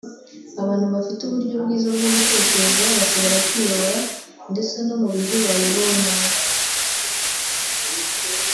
“Abantu bafite uburyo bwiza bwo gutekereza bashobora kwiyobora ndetse no mu bihe bayobowe nabi”